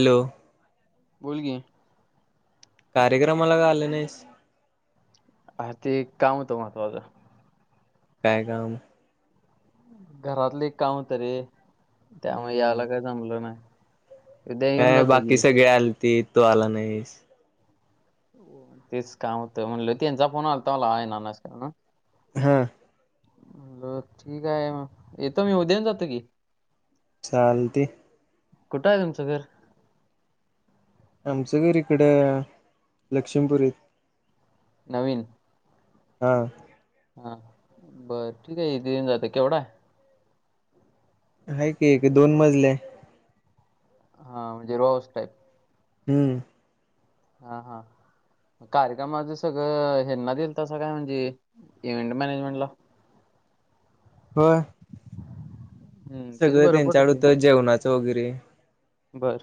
Hello! बोल की. कार्यक्रमाला का आली नाहीस? अ ते काम होतं महत्त्वाचं. काय काम? घरातल एक काम होतं रे. त्यामुळे हम्म यायला काय जमलं नाही. उद्या येऊन काय जातो बाकी की सगळे आलतीत. तु आला नाहीस. तेच काम होतं. म्हणल त्यांचा फोन आलता मला येणार नाहीस काय म्हणून? हा. बर. ठीक आहे. येतो मी उद्या येऊन जातो की. चालते. कुठ आहे तुमचं घर? आमचं घर इकड लक्षीमपूरीत. नवीन? हा. हा बरं ठीक आहे. इथ येऊन जातो केवढाय? हाय की एक दोन मजलीय. हा म्हणजे रो -हाऊस टाईप. हम्म. हा हा. म कार्यक्रमाच सगळं हेन्ना दोलतासा काय म्हणजे इव्हेंट मॅनेजमेंट ला? होय. हम्म, तेच सगळं बरं त्यांच्याकड पडते होत जेवणाचं वगैरे बर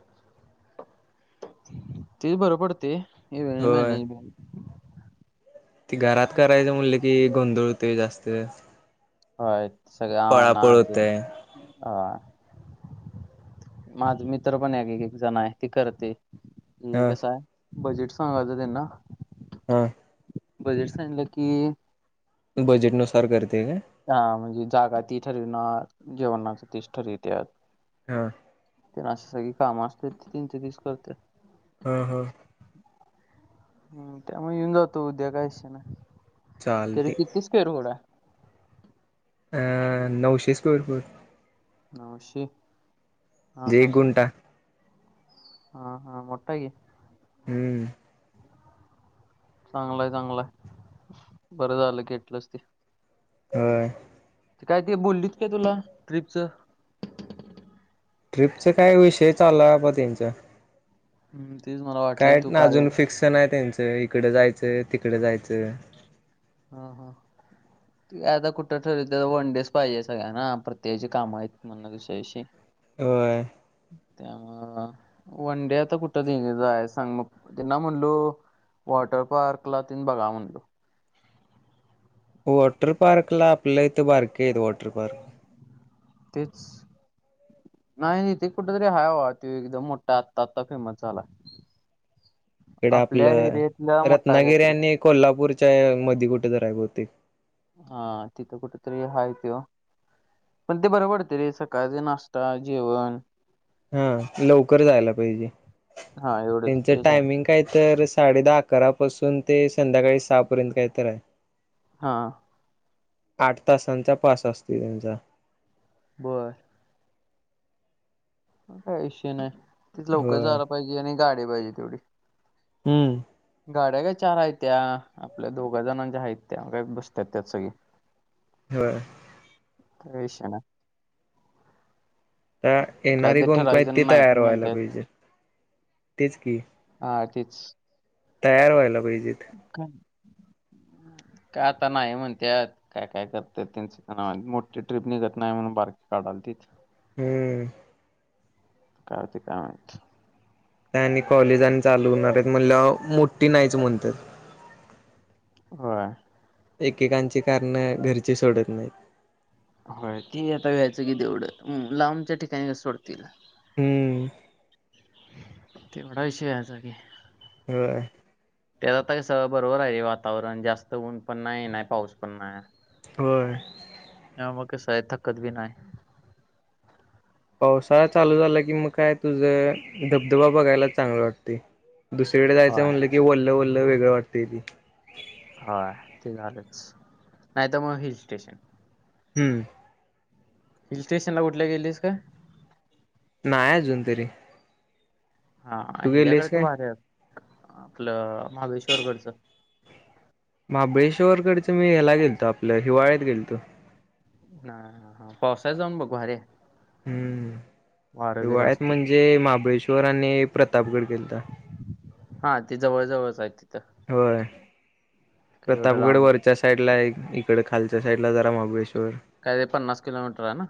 ते बी बरं पडतय इव होय मॅनेंजमेंट ती घरात करायचं म्हटलं की गोंधळ होतोय जास्त होय सगळ आणा पळापळ तेन होतय आ माझ मित्र पण एक एक जण आहे ते करते हम्म हा कसा हाय बजेट सांगायचं त्यांना हा बजेट सांगीतलं की बजेटनुसार करते काय? हा म्हणजे जागा ती ठरविनार जेवणाचं तीच ठरवित्यात हा तेन असं सगळी कामं असत्यात तेंचं तीच करत्यात हा हा हम् त्यामुळे येऊन जातो उद्या काय विषय नाही तरी चालते किती स्क्वेअर फूट हाय? अं नऊशे स्क्वेअर फूट नऊशे हा हा एक गुंटा हा हा मोठा हाय की हम्म चांगलाय चांगलाय बरं झालं घेतलंस ते होय ते काय ते बोललीत का तुला ट्रिपचं? ट्रिपचा काय विषय चालू हाय बाबा त्यांचं हम् तेच मला वाटलेल तू कार्य ण आहे त्यांचं इकडे जायचं तिकडे जायचं हा हा आता कुठं ठरवितात वन डेच पाहिजे सगळ्यांना प्रत्येकाची कामं आहेत म्हण दुसऱ्या दिवशी होय त्या अ वन डे आता कुठं दिले जायाचं आहे सांग मग त्याना म्हणलो वॉटर पार्क ला तेन बघा म्हणलं वॉटर पार्क ला आपल्या इथं बारके आहेत वॉटर पार्क तेच नाही नाही इथं एक कुठंतरी हाय बाबा त्यो एकदम मोठा हाय आत्ता आत्ता फेमस झालाय इकडे आपल्या आपलं एरियातला मोठा हाय रत्नागिरी काहीतरी आणि कोल्हापूरच्या मधी कुठंतर हाय बहुतेक हा तिथं कुठ तरी हाय त्यो पण ते बरं पडतय रे सकाळचा नाश्ता, जेवण हा, लवकर जायला पाहिजे, हा एवढंच त्यांच तेच आहे. टायमिंग काय तर, साडे दहा, अकरापासून ते संध्याकाळी सहा पर्यंत काही तर हाय. हा. आठ तासांचा पास असतोय त्येचा. बरं. काय विषय नाय, तिथ लवकर होय जायला पाहिजे, आणि गाडी पाहिजे तेवढी. हम्म. गाड्या काय चार आहेत त्या आपल्या दोघा जणांच्या आहेत त्या काही बसत्यात त्यात सगळी. वय. काय विशय नाही. आ काय येणारे ते कोण [unintelligible] ठराविक आहेत जण ते नाही तयार पण व्हायला म्हणतात पाहिजे तेच की. हा तेच. तयार व्हायला पाहिजेेत. का आता नाही म्हणत्यात. काय काय करत्यात त्यांच त्यांना माहित मोठी ट्रीप निघत नाही म्हणून बारकी काढालतीत. हम्म. काय होतय काय माहित. आणि कॉलेज आणि चालू होणार आहेत म्हणल्यावर मोठी नाहीच म्हणत्यात. होय. एकेकांची कारण घरचे सोडत नाहीत. होय ती आता घ्यायचं की तेवढं लांबच्या ठिकाणी तसं सोडतीला. हम्म. तेवढा विषय व्हायचा की. होय. त्यात आता कस बरोबर आहे वातावरण जास्त ऊन पण नाही नाही पाऊस पण नाही. होय. त्यामुळ कसाय थकत बी नाय. पावसाळा चालू झाला की मग काय तुझ धबधबा बघायला चांगला वाटतय. दुसरीकडे जायचं होय म्हटलं की वल्ल वल्ल वेगळं वातंय ते. हाय ते झालंच नाही तर मग हिल स्टेशन. हम्म. हिल स्टेशन ला कुठल्या गेलीस काय? नाही अजून तरी. हा तू गेलेस ह्याच्याकडचं काय भारी आहे. आपलं महाबळेश्वर गडच. महाबळेश्वर गडचं मी ह्याला गेलतो आपल्या हिवाळ्यात गेलतो. पावसाळ्यात जाऊन बघ भारी आहे. हम्म वारं बिरं हिवाळ्यात असते. म्हणजे महाबळेश्वर आणि प्रतापगड गेलता. हा ते जवळ जवळच आहेत. होय, काही एवढं प्रतापगड लांब वरच्या साईड ला एक इकड खालच्या साईड ला जरा महाबळेश्वर. काय ते पन्नास किलोमीटर आहे ना.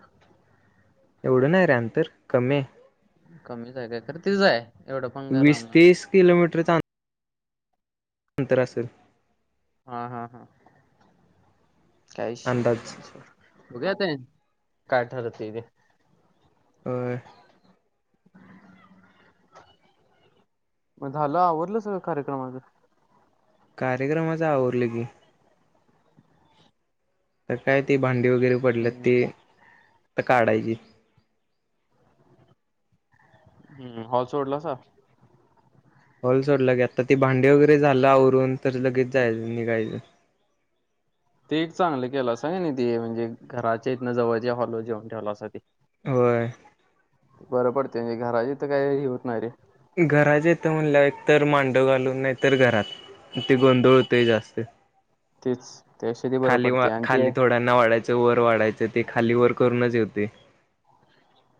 एवढं नाही रे अंतर कमी आहे. कमीच आहे काय तर तिच आहे एवढं पण काय वीस लांब नाही. तीस किलोमीटरचा अं अंतर असल. हा हा हा, काय विषय अंदाज नाही सोड. [unintelligible] काय ठरतय ते. होय. [inaudible] मग झालं आवरलं सगळं कार्यक्रमाच. कार्यक्रमाच आवरलं की. तर काय ती भांडी वगैरे पडल्या ते, हम्म [unintelligible] काढायची. हम्म हॉल सोडलासा? हॉल सोडलं की आता ते भांडे वगैरे झालं आवरून तर लगेच जायचं निघायच. ते एक चांगलं केल असा की नाही ते म्हणजे घराच्या इथन जवळजे हॅलवर जेवन ठेवलासाते. होय. बर पडते म्हणजे घरा इथ काही होत नाही रे. घराच्या इथ म्हणला एक तर मांडव घालून नाही तर घरात. ते गोंधळ होतय जास्त तेच त्यापेक्षा ते बरं खाली, पडते आणि ते खाली थोड्यांना वाढायच च वर वाढायचं ते खाली वर करूनच येते.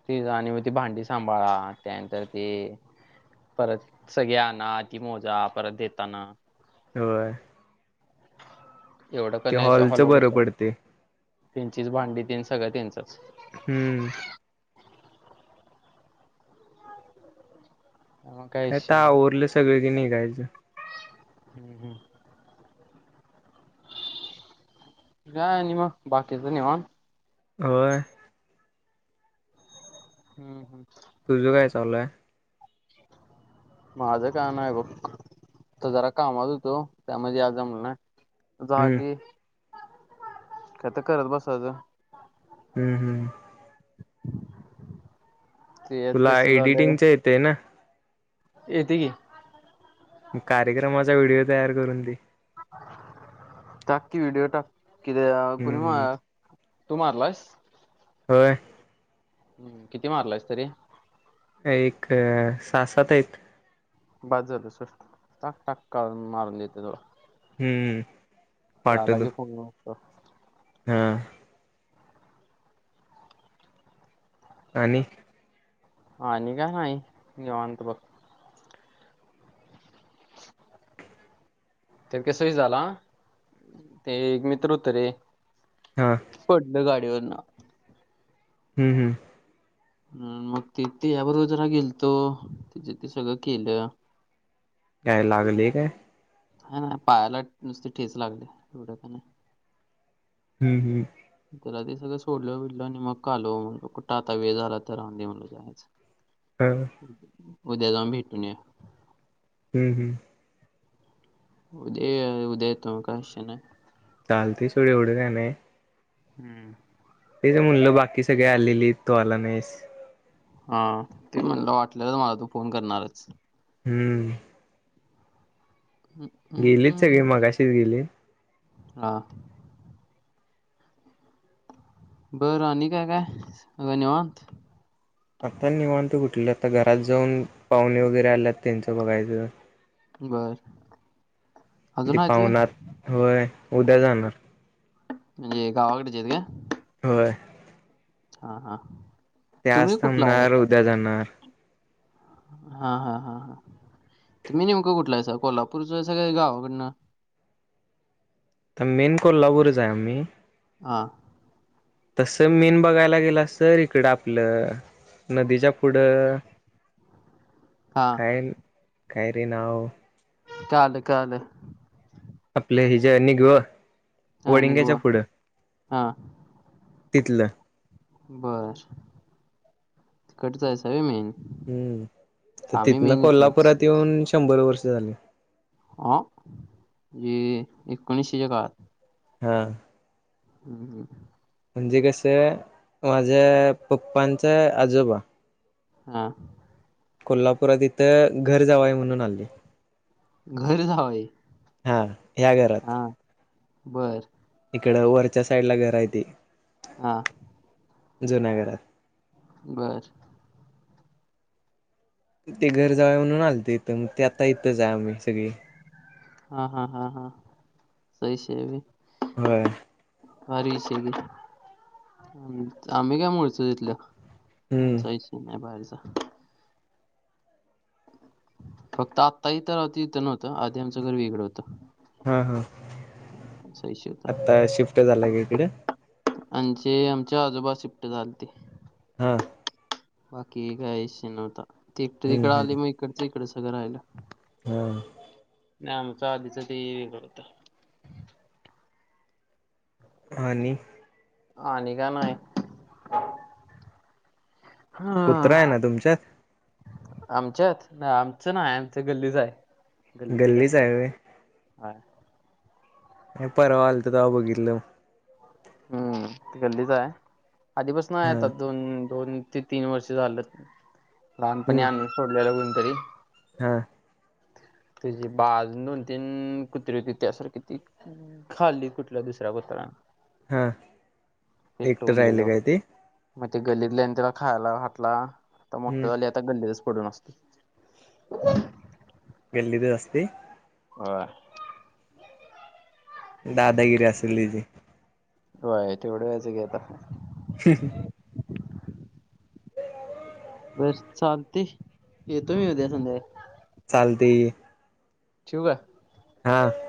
ती जान आणि मग ती भांडी सांभाळा त्यानंतर ते परत सगळे आणना ती मोजा परत देताना होय. एवढं क ते नाहीश हॉलचं हाॅलवर कस बरं पडते त्यांचीच भांडी त्यांन सगळं त्यांचच. हम्म. मग काय विषय आता नाही ओवरलं सगळे की निघायच. हम्म, हम्म. काय आणि मग बाकीच निवांत. होय. हम्म, हम्म. तुझ काय चालू आहे? माझं काम आहे बघ. आता जरा कामत होतो त्यामध्ये आज जमल नाही. हम्म झाली आता करत बसायच. हम्म, हम्म ते यात तुला कसं झालं एडिटिंग च येतय ना? येते की. कार्यक्रमाचा व्हिडिओ तयार करून दे. टाकी व्हिडिओ टाक कि कुणी म हम्म तु मारलायेस? होय. हम्म, किती मारल्यास तरी? एक साहा, सात आहेत. बास झाल चल टाक, टाक मारून देतो तोवर. हम्म.. झाला पाठवतो की फोन लावतो‌ हा.. आणि? आणि काय नाही निवांत बघ. तर कसही झाला ते एक मित्र होत रे हा. पडलो गाडीवरन. हम्म, हम्म. हम्म, मग ति तिच्या बरोबर जरा गेलतो तिचे ते सगळं केल. काय लागले काय? ह ना पाहायला नुसती ठेच लागले एवढ्या का नाही. हम्म, हम्म त्याला ते सगळं सोडलं विडल आणि मग आलो म कुट आत वेळ झाला तर राहूंदे म्हणल जायाचं. [inaudible] हा. उद्या जाऊन भेटून येवुया. हम् हम्. उद्या उद्या येतो मी काय विषय नई. चालतय सोड एवढं काय नाही. हम्म. तेच म्हणलं बाकी सगळे आलेली तो आला नाहीस? हा ते म्हणलं वाटलेलच मला तू फोन करणारच. हम्म. हम्. गेलीत सगळी मगाशीच गेलीत. हा. बरं आणि काय काय? सग निवांत? आता निवांत कुठलं? आता घरात जाऊन पाहुणे वगैरे आल्यात त्यांचं बघायचं. बर. ती अजून आहेत व्हय पाहुणार होय उद्या जाणार. म्हणजे गावाकडची हाईत काय? होय. हा हा. त्याज तुम्ही कुठला आहेत? थांबणार उद्या जाणार. हा हा हा हा तुम्ही नेमकं कुठल हाईसा कोल्हापूरच हाईसा काय गावाकडनं? त मेन कोल्हापूर च हाय आम्ही. हा. तस मीन बघायला गेलास तर इकड आपलं नदीच्या पुढं हा. काय न् काय रे नाव? कळाल कळाल. आपले हि ज्या निघव. आणि वडिंग्याच्या गोवा पुढं. हा तिथलं. बर. तिकडच हायसा होय मेन. हम्म तर आम्ही तिथन मेन इथलंच कोल्हापुरात येऊन शंभर वर्ष झाल. आ? जे एकोणीशेच्या काळात. हा. हम् हम्म. म्हणजे कसं माझ्या पप्पांच आजोबा हा. कोल्हापुरात इथं घर जावंय म्हणून आले. घर जावय? हा ह्या घरात. बरं. इकड वरच्या सईड ला घर हाय ते. हा. जुन्या घरात. बरं. ते घर जावळ म्हणून आलत इथं मग ते आता इथंच आहे आम्ही सगळी. हा हा हा हा सही सेबी होय. हारी सेबी आम्ही काय म्हणतो तिथल हम्म आमचा विषय नाही बाहेरचा. फक्त आत्ता इथं नव्हतं आधी आमचं घर वेगळ होत. हा हा विषय होता आता शिफ्ट झालाय का इकडे? आमचे, आमचे आजोबा शिफ्ट झाले ते. हा.. बाकी काय विषय नव्हता ते एकटे इकड हम्म हम्म आले मग इकडच इकड सगळं राहिल. [inaudible] नाही आमच आधीच ते वेगळ होत आणि आणि काय नाही. [inaudible] कुत्रा आहे ना तुमच्यात आमच्यात आमच नाय आमच गल्लीच आहे गल्लीत एक गल्लीच असते. आहे व्हय हाय [inaudible] मी परवा आलतो तवा बघितल. हम्म गल्दीच आहे आधीपस ना आहे हा आता दोन, दोन ते तीन वर्ष झालं लहानपणी हम्म आणुन सोडलेलं कोणतरी हा. तुझी बाज दोन, तीन कुत्रे होती त्या सार किती खाल्ली कुठल्या दुसऱ्या [inaudible] हां.. एकट उरलेल मग ते गल्तल्यान त्याला खायला घातला आता मोठं हम्म झाल्यात गल्लीतच पडून असतो. [inaudible] गल्लीतच असते? होय. दादागिरी असेल त्याची? होय तेवढं व्यायच की आता. [inaudible] [inaudible] बर चालते, येतोय उद्या संध्याकाळी? चालतेये. ठेऊ का? हां.